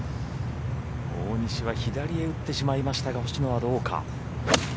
大西は左へ打ってしまいましたが星野はどうか。